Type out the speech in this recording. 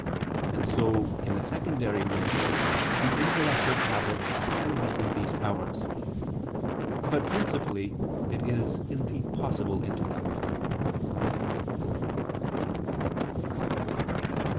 And so in a secondary way the intellective habit can be in these powers. But principally it is in the "possible" intellect.